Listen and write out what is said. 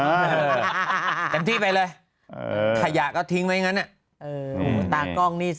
เต็มที่ไปเลยขยะก็ทิ้งไว้อย่างนั้นอ่ะเออตากล้องนี่สิ